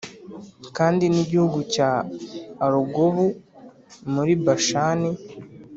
kandi n’igihugu cya Arugobu muri Bashani